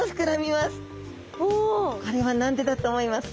これは何でだと思いますか？